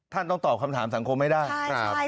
ท่านต้องตอบคำถามสังคมให้ได้ใช่ใช่